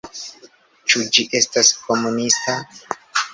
Ĉu ĝi estas komunista?